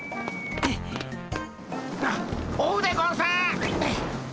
あっ追うでゴンス！